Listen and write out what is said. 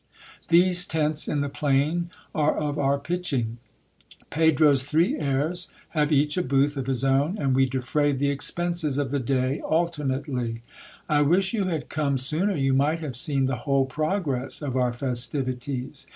These tents in the plain are of our pitching. Pedro's three heirs have each a booth of his own, and we defray the expenses of the day alternately. I wish you had come sooner, you might have seen the whole progress of our festivities.